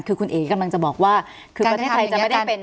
คือคุณเอ๋กำลังจะบอกว่าคือประเทศไทยจะไม่ได้เป็น